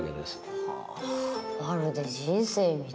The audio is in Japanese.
はぁまるで人生みたい。